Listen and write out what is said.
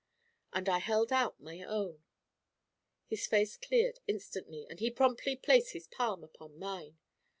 And I held out my own. His face cleared instantly, and he promptly placed his palm upon mine.